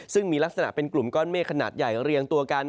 ซึ่งมีลักษณะเป็นกลุ่มก้อนเมฆขนาดใหญ่เรียงตัวกัน